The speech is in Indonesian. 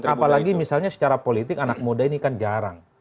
apalagi misalnya secara politik anak muda ini kan jarang